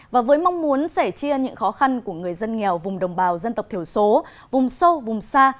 và với mong muốn sẻ chia những khó khăn của người dân nghèo vùng đồng bào dân tộc thiểu số vùng sâu vùng xa